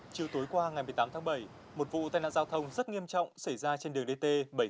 chiều tối qua ngày một mươi tám tháng bảy một vụ tai nạn giao thông rất nghiêm trọng xảy ra trên đường dt bảy trăm bốn mươi